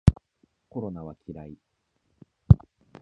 コロナは嫌い